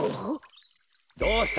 どうした？